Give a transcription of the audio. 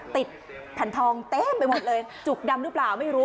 แผ่นทองเต็มไปหมดเลยจุกดำหรือเปล่าไม่รู้